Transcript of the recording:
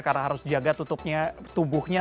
karena harus jaga tutupnya tubuhnya